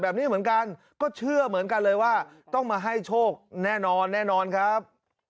แบบนี้เหมือนกันก็เชื่อเหมือนกันเลยว่าต้องมาให้โชคแน่นอนแน่นอนครับ